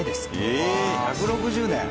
ええっ１６０年？